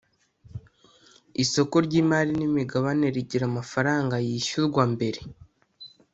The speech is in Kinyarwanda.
isoko ry’imari n’imigabane rigira amafaranga yishyurwa mbere